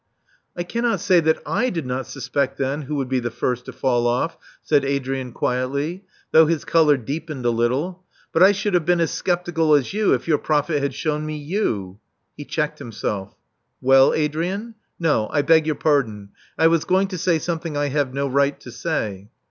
*'I cannot say that /did not suspect then who would be the first to fall ofif," said Adrian, quietly, though his color deepened a little. But I should have been as sceptical as you, if your prophet had shewn me you *' He checked himself. Well, Adrian?" '*No. I beg your pardon: I was going to say some thing I have no right to say."